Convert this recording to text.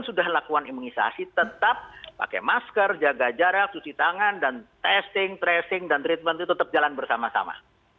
sudah lakukan imunisasi tetap pakai masker jaga jarak cuci tangan dan testing tracing dan treatment itu tetap jalan bersama sama